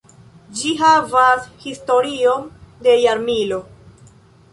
Ĝi havas historion de jarmilo.